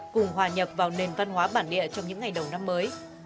cùng hòa nhập vào nền văn hóa bản địa trong những ngày đầu năm mới